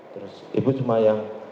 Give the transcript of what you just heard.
terus ibu cuma yang